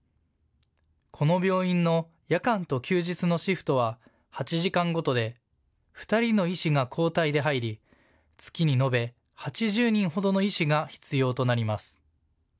この病院の夜間と休日のシフトは８時間ごとで２人の医師が交代で入り月に延べ８０人ほどの医師が必要となります。